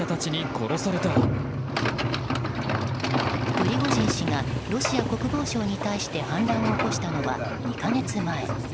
プリゴジン氏がロシア国防省に対して反乱を起こしたのは２か月前。